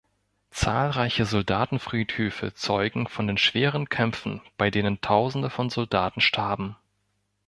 Zahlreiche Soldatenfriedhöfe zeugen von den schweren Kämpfen, bei denen Tausende von Soldaten starben.